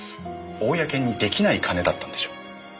公に出来ない金だったんでしょう。